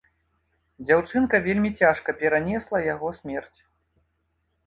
Дзяўчынка вельмі цяжка перанесла яго смерць.